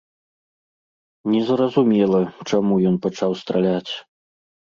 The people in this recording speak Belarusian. Незразумела, чаму ён пачаў страляць.